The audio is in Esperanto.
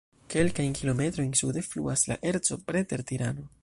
Kelkajn kilometrojn sude fluas la Erco preter Tirano.